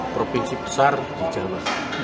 provinsi besar di jawa